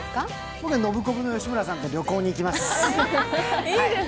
僕はノブコブの吉村さんと旅行に行きます。